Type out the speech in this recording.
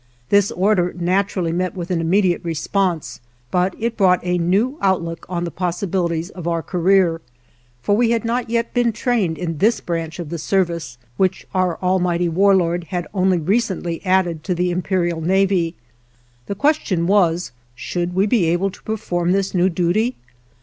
This order naturally met with an immediate response, but it brought a new outlook on the possibilities of our career, for we had not yet been trained to this branch of the service which our Almighty War Lord had only recently added to the Imperial Navy. The question was, should we be able to perform this new duty?